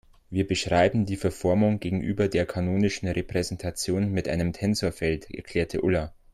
Wir beschreiben die Verformung gegenüber der kanonischen Repräsentation mit einem Tensorfeld, erklärte Ulla.